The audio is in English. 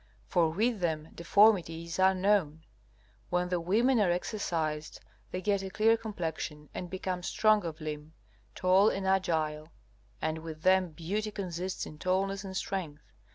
For with them deformity is unknown. When the women are exercised they get a clear complexion, and become strong of limb, tall and agile, and with them beauty consists in tallness and strength.